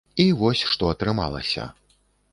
І вось, што атрымалася.